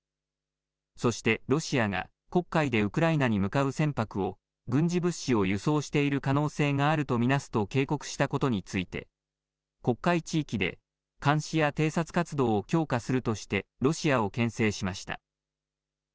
そしてロシアが黒海でウクライナに向かう船舶を軍事物資を輸送している可能性があると見なすと警告したことについて黒海地域で監視や偵察活動を強化するとしてロシアをけん制しました。